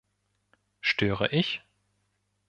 Störe ich?